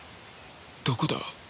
どこだ？